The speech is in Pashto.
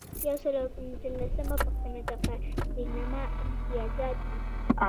یو سل او پنځلسمه پوښتنه د تقدیرنامو امتیازات دي.